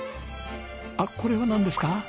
あっこれはなんですか？